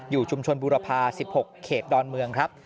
อยู่ชุมชนบุรพา๑๖เขตดอนเมืองครับ